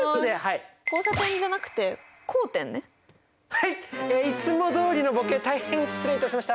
はいいつもどおりのボケ大変失礼いたしました。